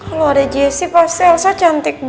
kalo ada jesi pasti elsa cuman makeupin nino